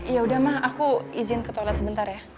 ya udah mah aku izin ke toilet sebentar ya